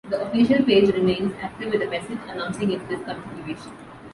The official page remains active with a message announcing its discontinuation.